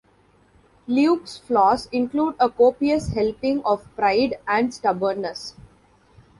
Luke's flaws include a copious helping of pride and stubbornness.